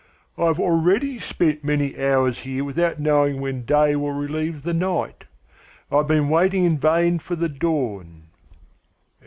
I have already spent many hours here without knowing when day will relieve the night. I have been waiting in vain for the dawn."